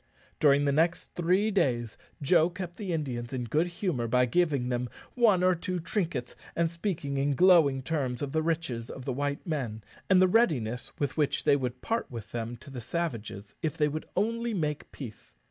During the next three days Joe kept the Indians in good humour by giving them one or two trinkets, and speaking in glowing terms of the riches of the white men, and the readiness with which they would part with them to the savages if they would only make peace.